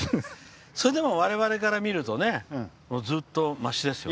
それでも我々から見るとねずっと、ましですよね。